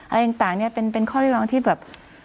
อะไรต่างเนี่ยเป็นข้อเรียกร้องที่แบบ